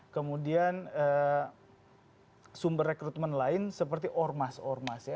kemudian sumber rekrutmen lain seperti ormas ormas ya